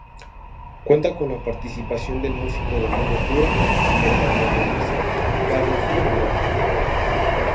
Cuenta con la participación del músico Domingo Cura y el bandoneonista Carlos Buono.